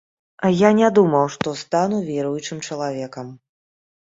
Я не думаў, што стану веруючым чалавекам.